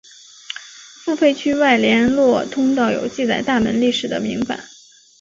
付费区外联络通道有记载大门历史的铭版。